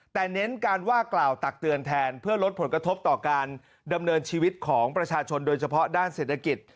แต่เน้นการว่ากล่าวตักเตือนแทนเพื่อลดผลกระทบต่อการดำเนินชีวิตของประชาชนโดยเฉพาะด้านเศรษฐกิจ